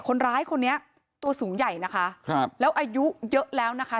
คนร้ายคนนี้ตัวสูงใหญ่นะคะครับแล้วอายุเยอะแล้วนะคะ